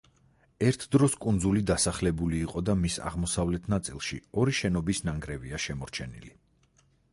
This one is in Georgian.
ერთ დროს კუნძული დასახლებული იყო და მის აღმოსავლეთ ნაწილში ორი შენობის ნანგრევია შემორჩენილი.